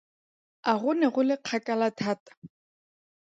A go ne go le kgakala thata.